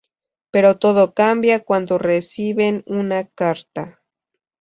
Pero todo cambia cuando reciben una carta.